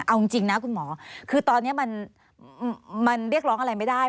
เอาจริงนะคุณหมอคือตอนนี้มันเรียกร้องอะไรไม่ได้